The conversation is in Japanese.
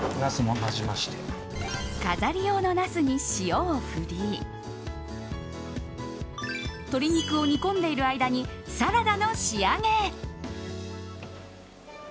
飾り用のナスに塩を振り鶏肉を煮込んでいる間にサラダの仕上げ。